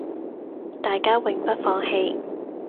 大家永不放棄